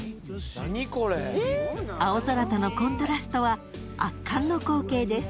［青空とのコントラストは圧巻の光景です］